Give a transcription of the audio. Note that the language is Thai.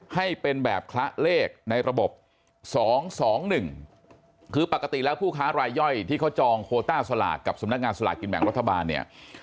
ให้เป็นแบบคละเลขในระบบ๒๒๑คือปกติแล้วผู้ค้ารายย่อยที่เขาจองโคต้าสลากกับสำนักงานสลากกินแบ่งรัฐบาลเนี่ย